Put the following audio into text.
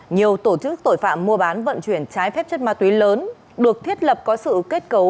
nhiều tổ chức tội phạm mua bán vận chuyển trái phép chất ma túy lớn được thiết lập có sự kết cấu